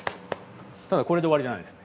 ただこれで終わりじゃないです。